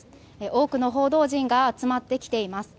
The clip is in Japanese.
多くの報道陣が集まってきています。